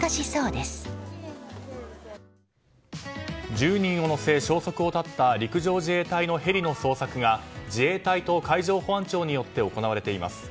１０人を乗せて消息を絶った陸上自衛隊のヘリの捜索が自衛隊と海上保安庁によって行われています。